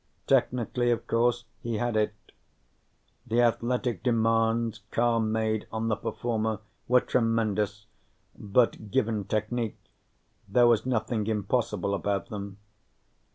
Technically, of course, he had it. The athletic demands Carr made on the performer were tremendous, but, given technique, there was nothing impossible about them.